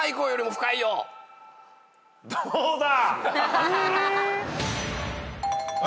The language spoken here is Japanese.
どうだ？